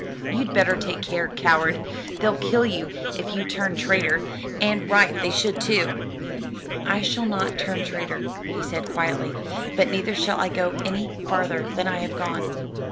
"You'd better take care, coward, they'll kill you if you turn traitor; and right they should too." "I shall not turn traitor," he said quietly, "but neither shall I go any farther than I have gone.